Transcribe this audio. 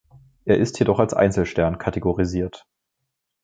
Er ist jedoch als Einzelstern kategorisiert.